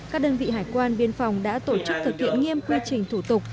các đơn vị hải quan biên phòng đã tổ chức thực hiện nghiêm quy trình thủ tục